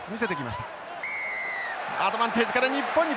アドバンテージから日本に。